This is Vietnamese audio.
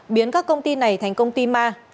biến các công ty này thành công ty ma